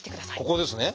ここですね。